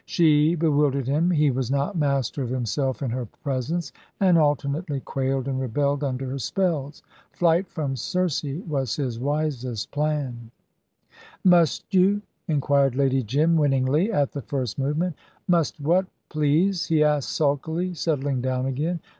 She bewildered him; he was not master of himself in her presence, and alternately quailed and rebelled under her spells. Flight from Circe was his wisest plan. "Must you?" inquired Lady Jim, winningly, at the first movement. "Must what, please," he asked sulkily, settling down again.